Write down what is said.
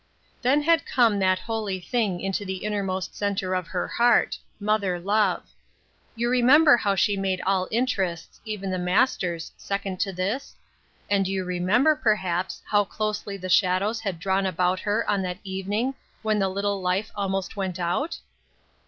Then had come that holy thing into the inner most center of her heart, mother love. You re member how she made all interests, even the Master's, second to this ? And you remember, perhaps, how closely the shadows had drawn about her on that evening when the little life almost went out